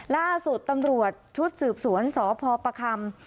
ล่าสุดตำรวจชุดสืบสวนสพประคำ